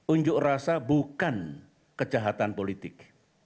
unjuk rasa bukan kejahatan politik